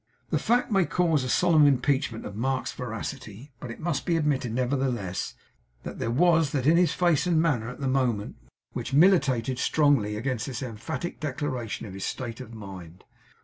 The fact may cause a solemn impeachment of Mark's veracity, but it must be admitted nevertheless, that there was that in his face and manner at the moment, which militated strongly against this emphatic declaration of his state of mind.